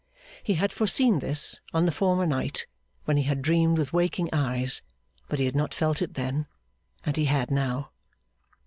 He had foreseen this, on the former night, when he had dreamed with waking eyes, but he had not felt it then; and he had now.